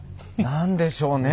何でしょうね？